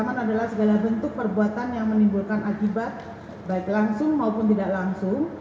faedese ksatuai maucarang berlangsung bang sorot maaf mengimangkan